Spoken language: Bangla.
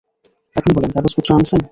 এখন বলেন, কাগজপত্র আনছেন?